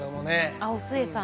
あっお壽衛さん。